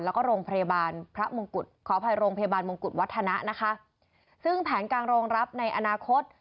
แล้วก็โรงพยาบาลพระมงกุฎขออภัยโรงพยาบาลมงกุฎวัฒนะนะคะซึ่งแผนการรองรับในอนาคต